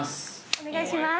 お願いします。